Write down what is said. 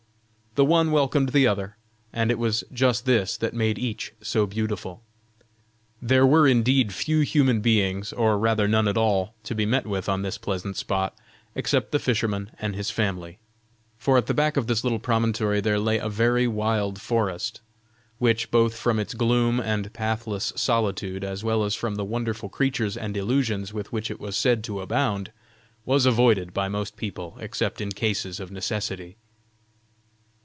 The one welcomed the other, and it was just this that made each so beautiful. There were indeed few human beings, or rather none at all, to be met with on this pleasant spot, except the fisherman and his family. For at the back of this little promontory there lay a very wild forest, which, both from its gloom and pathless solitude as well as from the wonderful creatures and illusions with which it was said to abound, was avoided by most people except in cases of necessity.